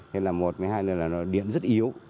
thế là một hai là nó điện rất yếu